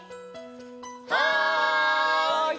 はい！